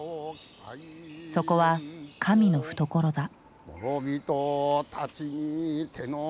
そこは神の懐だ。